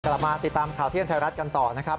กลับมาติดตามข่าวเที่ยงไทยรัฐกันต่อนะครับ